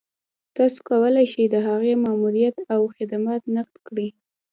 تاسو کولای شئ د هغې ماموريت او خدمات نقد کړئ.